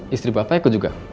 istri bapak ikut juga